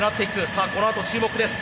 さあこのあと注目です。